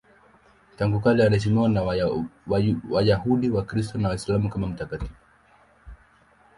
Tangu kale anaheshimiwa na Wayahudi, Wakristo na Waislamu kama mtakatifu.